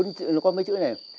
nó có mấy chữ này